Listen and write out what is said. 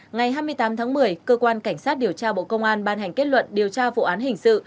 ngày hai mươi tám tháng một mươi cơ quan cảnh sát điều tra bộ công an ban hành kết luận điều tra vụ án hình sự